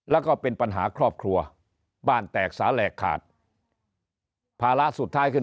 แล้วก็เป็นปัญหาครอบครัวบ้านแตกสาแหลกขาดภาระสุดท้ายขึ้น